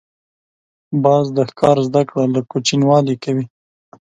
باز د ښکار زده کړه له کوچنیوالي کوي